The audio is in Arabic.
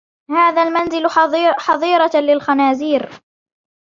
هذا المنزل حظيرة للخنازير.